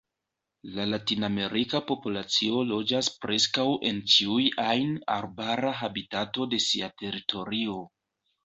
La latinamerika populacio loĝas preskaŭ en ĉiuj ajn arbara habitato de sia teritorio.